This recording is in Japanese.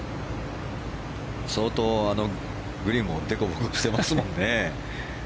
相当グリーンもデコボコしてますもんね。